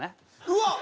うわっ！